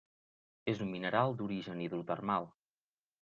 És un mineral d'origen hidrotermal.